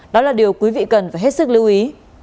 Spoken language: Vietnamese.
đó là điều quý vị cần phải hết sức lưu ý